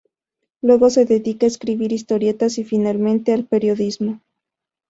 Luego se dedica a escribir historietas y, finalmente, al periodismo.